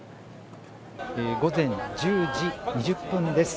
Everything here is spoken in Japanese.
午前１０時２０分です。